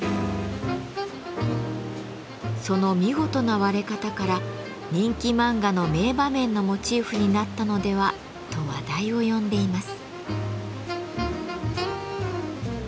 その見事な割れ方から人気漫画の名場面のモチーフになったのではと話題を呼んでいます。